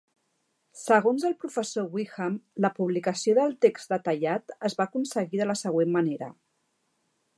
Segons el professor Whigham, la publicació del text detallat es va aconseguir de la següent manera.